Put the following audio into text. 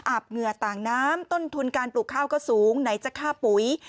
เหงื่อต่างน้ำต้นทุนการปลูกข้าวก็สูงไหนจะฆ่าปุ๋ย